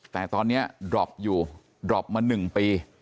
แต่ตอนนี้ดรอปอยู่ดรอปมา๑ปี